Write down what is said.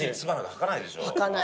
吐かない。